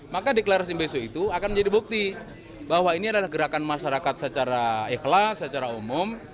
maka deklarasi besok itu akan menjadi bukti bahwa ini adalah gerakan masyarakat secara ikhlas secara umum